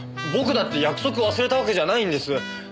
僕だって約束忘れたわけじゃないんです！